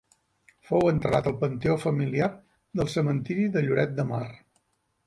Fou enterrat al panteó familiar del cementiri de Lloret de Mar.